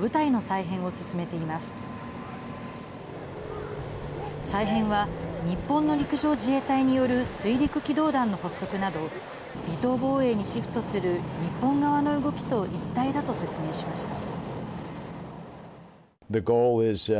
再編は日本の陸上自衛隊による水陸機動団の発足など離島防衛にシフトする日本側の動きと一体だと説明しました。